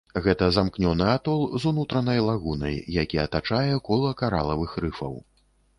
Гэта замкнёны атол з унутранай лагунай, які атачае кола каралавых рыфаў.